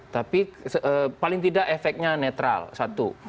tapi paling tidak efeknya netral satu